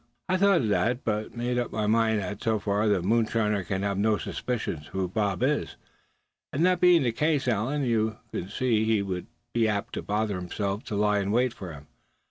"I've thought of that, but made up my mind that so far the moonshiner can have no suspicion who Bob is. And that being the case, Allan, you can see he wouldn't be apt to bother himself to lie in wait for him.